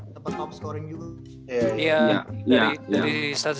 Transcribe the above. yang dia average triple double ya wn ya